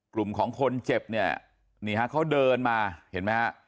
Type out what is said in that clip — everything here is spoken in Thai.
กลุ่มของคนเจ็บเนี่ยนี่ฮะเขาเดินมาเห็นไหมฮะ